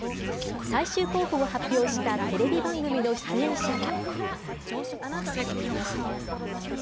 最終候補を発表したテレビ番組の出演者は。